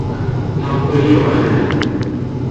安徽六安人。